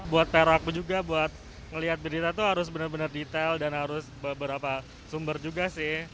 buat perak juga buat ngelihat berita tuh harus benar benar detail dan harus beberapa sumber juga sih